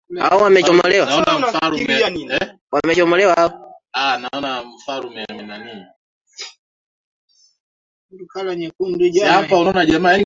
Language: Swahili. Alipekua hadi mwisho na hakufanikiwa kuyapata majina ya Juliana na Daisy Owimana